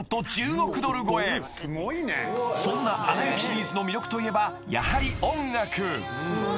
［そんな『アナ雪』シリーズの魅力といえばやはり］